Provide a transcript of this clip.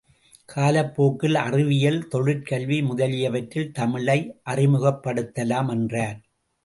காலப்போக்கில் அறிவியல், தொழிற் கல்வி முதலியவற்றில் தமிழை அறிமுகப்படுத்தலாம் என்றார்.